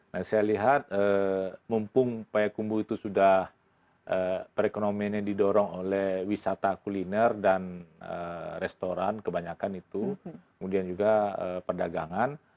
nah saya lihat mumpung payakumbu itu sudah perekonomiannya didorong oleh wisata kuliner dan restoran kebanyakan itu kemudian juga perdagangan